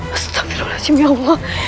astagfirullahaladzim ya allah